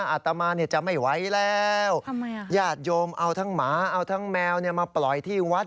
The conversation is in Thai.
อาตมาจะไม่ไหวแล้วญาติโยมเอาทั้งหมาเอาทั้งแมวมาปล่อยที่วัด